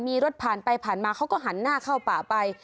มีรถผ่านไปผ่านมาเขาก็หันหน้าเข้าป่าไป